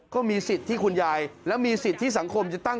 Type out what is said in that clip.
ก็มีสิทธิ์ที่คุณยายและมีสิทธิ์ที่สังคมจะตั้ง